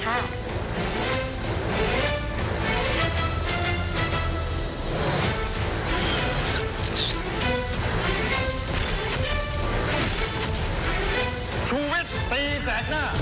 ชุวิตตีแสกหน้า